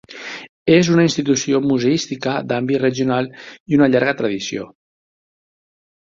És una institució museística d'àmbit regional i una llarga tradició.